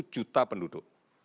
per satu juta penduduk